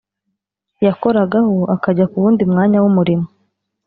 yakoragaho akajya ku wundi mwanya w umurimo